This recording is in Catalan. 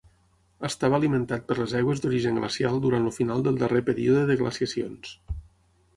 Estava alimentat per les aigües d'origen glacial durant el final del darrer període de glaciacions.